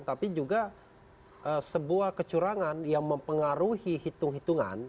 tapi juga sebuah kecurangan yang mempengaruhi hitung hitungan